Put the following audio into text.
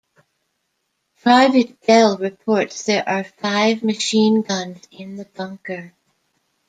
Private Bell reports there are five machine guns in the bunker.